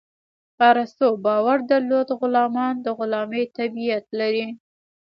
ارسطو باور درلود غلامان د غلامي طبیعت لري.